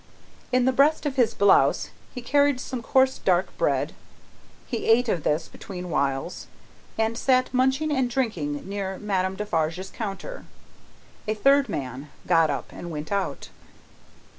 In the breast of his blouse he carried some coarse dark bread; he ate of this between whiles, and sat munching and drinking near Madame Defarge's counter. A third man got up and went out.